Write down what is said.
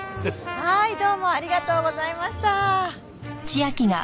はーいどうもありがとうございました。